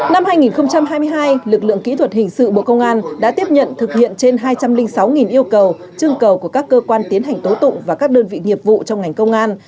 năm hai nghìn hai mươi hai lực lượng kỹ thuật hình sự bộ công an đã tiếp nhận thực hiện trên hai trăm linh sáu yêu cầu chương cầu của các cơ quan tiến hành tố tụng và các đơn vị nghiệp vụ trong ngành công an